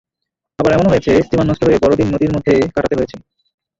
আবার এমনও হয়েছে, স্টিমার নষ্ট হয়ে বড়দিন নদীর মধ্যে কাটাতে হয়েছে।